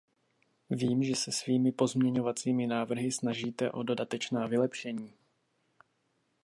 Vím, že se svými pozměňovacími návrhy snažíte o dodatečná vylepšení.